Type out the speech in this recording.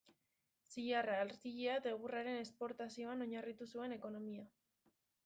Zilarra, artilea eta egurraren esportazioan oinarritu zuen ekonomia.